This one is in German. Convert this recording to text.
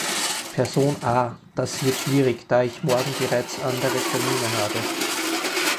Person A: Das wird schwierig, da ich morgen bereits andere Termine habe.